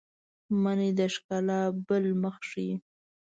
منی د ښکلا بل مخ ښيي